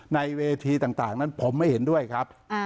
ในเวทีต่างนั้นผมไม่เห็นด้วยครับ